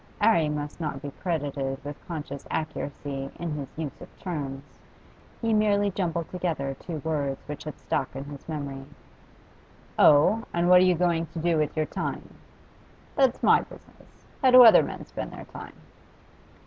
'Arry must not be credited with conscious accuracy in his use of terms; he merely jumbled together two words which had stuck in his memory. 'Oh? And what are you going to do with your time?' 'That's my business. How do other men spend their time?